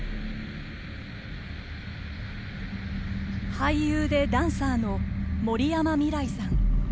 俳優でダンサーの森山未來さん。